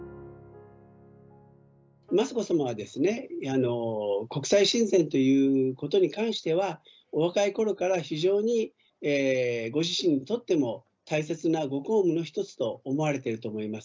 雅子さまはですね、国際親善ということに関しては、お若いころから非常にご自身にとっても大切なご公務の一つと思われていると思います。